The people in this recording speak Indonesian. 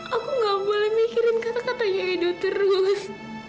aku gak boleh mikirin kata katanya hidup terus